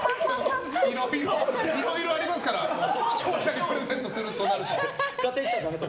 いろいろありますから視聴者にプレゼントするとなると。